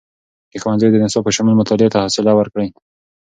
د ښوونځیو د نصاب په شمول، مطالعې ته خوصله ورکړئ.